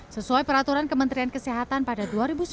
sesuai peraturan kementerian kesehatan pada dua ribu sembilan belas